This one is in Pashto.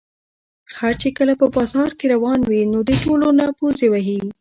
خر چې کله په بازار کې روان وي، نو د ټولو نه پوزې وهي.